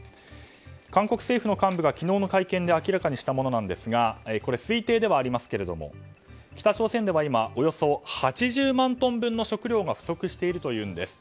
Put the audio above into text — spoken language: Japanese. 韓国政府の幹部が昨日の会見で明らかにしたものですが推定ではありますが北朝鮮では今およそ８０万トン分の食糧が不足しているというんです。